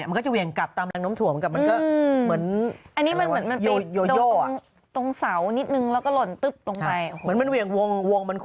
มันก็จะเหวี่ยงกลับตามแรงน้มถั่วมันก็เหมือน